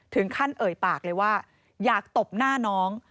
เอ่อปากเลยว่าอยากตบหน้าน้อง